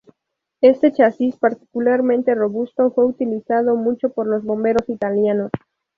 Este chasis particularmente robusto fue utilizado mucho por los bomberos italianos.